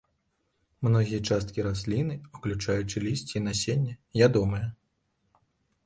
Многія часткі расліны, уключаючы лісце і насенне, ядомыя.